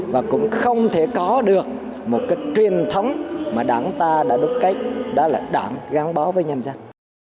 và cũng không thể có được một cái truyền thống mà đảng ta đã đúc cách đó là đảng gắn bó với nhân dân